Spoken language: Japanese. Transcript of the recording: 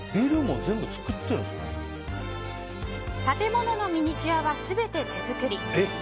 建物のミニチュアは全て手作り。